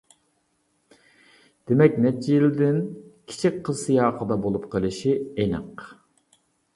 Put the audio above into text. دېمەك نەچچە يىلدىن كىچىك قىز سىياقىدا بولۇپ قېلىشى ئېنىق.